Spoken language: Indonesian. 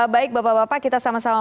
baik bapak bapak kita sama sama